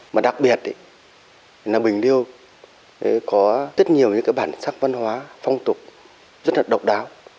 mà đặc biệt là bình liêu có rất nhiều những cái bản sắc văn hóa phong tục rất là độc đáo